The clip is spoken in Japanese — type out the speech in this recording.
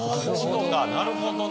なるほどね。